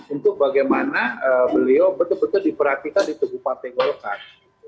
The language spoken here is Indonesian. untuk bagaimana beliau betul betul diperhatikan di tubuh partai golkar